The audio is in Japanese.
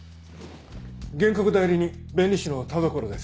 原告代理人弁理士の田所です。